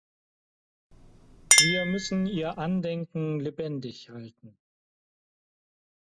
Wir müssen ihr Andenken lebendig halten.